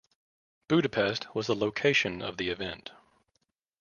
Budapest was the location of the event.